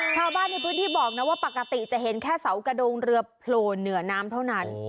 ชาวบ้านในพื้นที่บอกนะว่าปกติจะเห็นแค่เสากระดงเรือโผล่เหนือน้ำเท่านั้น